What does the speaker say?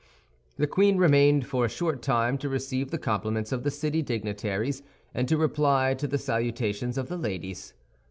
The queen remained for a short time to receive the compliments of the city dignitaries and to reply to the salutations of the ladies.